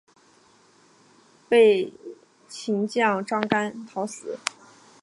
被秦将章邯讨死。